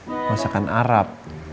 itu juga kepingin masakan arab